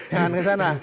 jangan ke sana